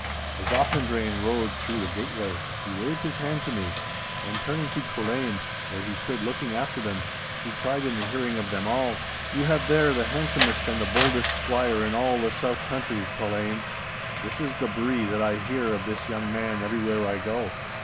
As Auchendrayne rode through the gateway, he waved his hand to me, and turning to Culzean, where he stood looking after them, he cried in the hearing of them all,— 'You have there the handsomest and the boldest squire in all the south country, Culzean. This is the bruit that I hear of this young man everywhere I go.